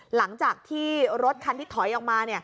หลังจากที่รถคันที่ถอยออกมา